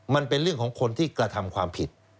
มันเป็นเรื่องของคนที่กระทำความผิด